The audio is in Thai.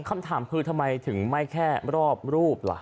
คำถามคือทำไมถึงไม่แค่รอบรูปล่ะ